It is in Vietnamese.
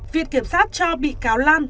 viện kiểm sát cho bị cáo lan